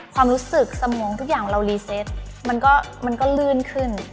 ความรู้สึกสมองทุกอย่างเรารีเซตมันก็ลื่นขึ้น